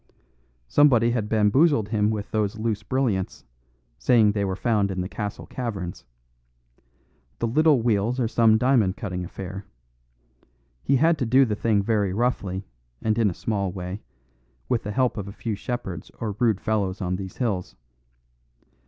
Somebody had bamboozled him with those loose brilliants, saying they were found in the castle caverns. The little wheels are some diamond cutting affair. He had to do the thing very roughly and in a small way, with the help of a few shepherds or rude fellows on these hills.